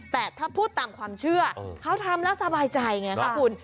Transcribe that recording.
แต่ถ้าพูดตามความเชื่อเขาทำแล้วสบายใจไงครับคุณ